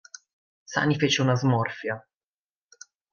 Sani fece una smorfia.